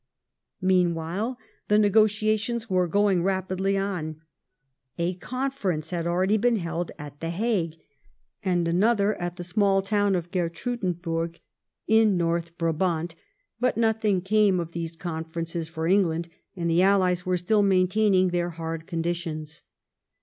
Meanwhile the negotiations were going rapidly on. A conference had already been held at The Hague, and another at the small town of Gertruydenburg in 94 THE REIGN OF QUEEN ANNE. ch. xxv. North Brabant, but nothing came of these conferences, for England and the Allies were still maintaining their hard conditions